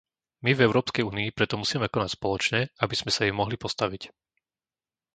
My v Európskej únii preto musíme konať spoločne, aby sme sa jej mohli postaviť.